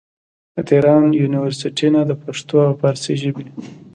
د تهران يونيورسټۍ نه د پښتو او فارسي ژبې